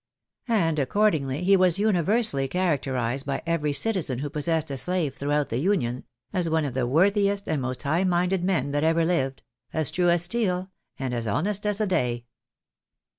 And, accordingly, he was universally characterised by every citizen who possessed a slave throughout the Union, "as one of the worthiest and most high minded men that ever lived — as true as steel, and as honest as the day."